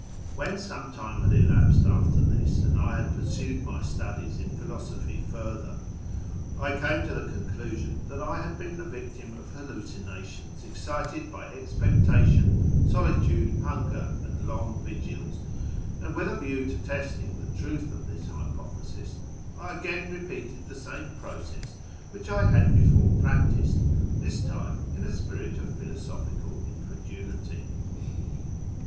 When some time had elapsed after this, and I had pursued my studies in philosophy further, I came to the conclusion that I had been the victim of hallucinations excited by expectation, solitude, hunger, and long vigils ; and, with a view to testing the truth of this hypothesis, I again repeated the same process which I had before practised, this time in a spirit of philoso2:)hical incredulity.